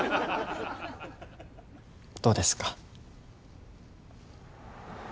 どうですか？